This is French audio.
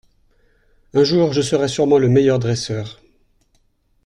Un jour je serai surement le meilleur dresseur.